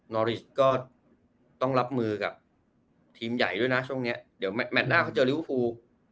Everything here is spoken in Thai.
นอริสต์ก็ต้องรับมือกับทีมใหญ่ด้วยนะช่วงเนี้ยเดี๋ยวแมทแมทหน้าเขาเจอริวฟู